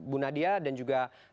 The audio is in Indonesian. bu nadia dan juga